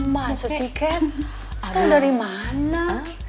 masuk si kek tau dari mana